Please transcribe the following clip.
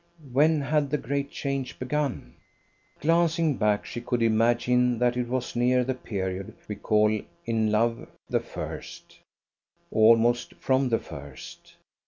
When had the great change begun? Glancing back, she could imagine that it was near the period we call in love the first almost from the first.